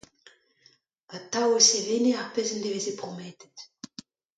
Atav e sevene ar pezh en deveze prometet.